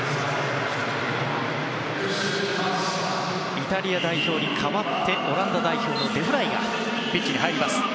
イタリア代表に代わってオランダ代表のデフライがピッチに入ります。